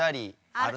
ある？